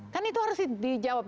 kan itu harus dijawab